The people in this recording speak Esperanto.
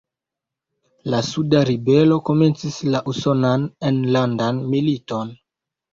La suda ribelo komencis la Usonan Enlandan Militon.